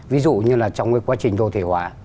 ví dụ như là trong quá trình đồ thể hóa